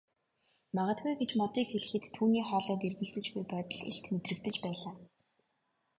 Магадгүй гэж Модыг хэлэхэд түүний хоолойд эргэлзэж буй байдал илт мэдрэгдэж байлаа.